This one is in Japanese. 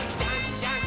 ジャンプ！！